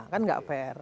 kan nggak fair